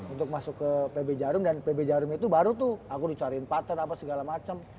untuk masuk ke pb jarum dan pb jarum itu baru tuh aku dicariin partner apa segala macem